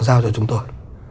giao cho chúng tôi